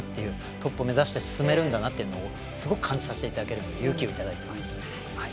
トップを目指して進めるんだなというのを感じさせていただけるので勇気をいただいています。